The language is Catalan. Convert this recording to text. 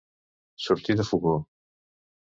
Sortir de fogó.